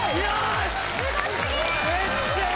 よし！